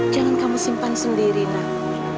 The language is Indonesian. jangan kamu simpan sendiri nak